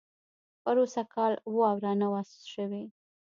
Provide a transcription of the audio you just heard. پروسږ کال واؤره نۀ وه شوې